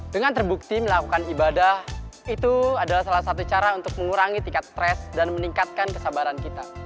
dengan terbukti melakukan ibadah itu adalah salah satu cara untuk mengurangi tingkat stres dan meningkatkan kesabaran kita